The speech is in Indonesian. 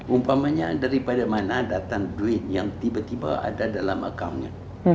umpamanya daripada mana datang duit yang tiba tiba ada dalam akunnya